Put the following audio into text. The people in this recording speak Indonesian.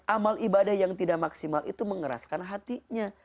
amal ibadah yang tidak maksimal itu mengeraskan hatinya